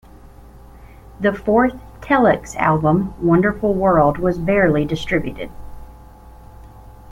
The fourth Telex album, "Wonderful World", was barely distributed.